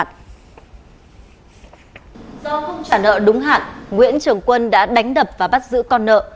do không trả nợ đúng hạn nguyễn trường quân đã đánh đập và bắt giữ con nợ